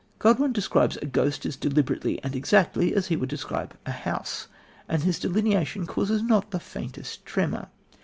Godwin describes a ghost as deliberately and exactly as he would describe a house, and his delineation causes not the faintest tremor.